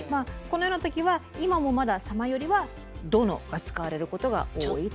このようなときは今もまだ「様」よりは「殿」が使われることが多いと。